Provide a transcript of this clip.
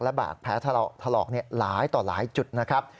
บาดแผลถลอกหลายต่อหลายจุดนะครับ